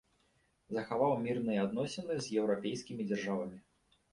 Захаваў мірныя адносіны з еўрапейскімі дзяржавамі.